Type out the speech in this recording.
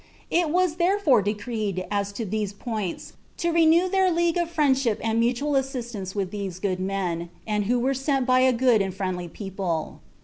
It was therefore decreed, as to these points, to renew their league of friendship and mutual assistance with these good men, and who were sent by a good and a friendly people."